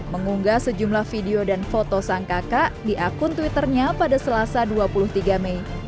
mengunggah sejumlah video dan foto sang kakak di akun twitternya pada selasa dua puluh tiga mei